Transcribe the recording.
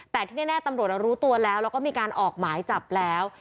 แต่ที่แน่ตำรวจรู้ตัวแล้วแล้วก็มีการออกหมายจับแล้ว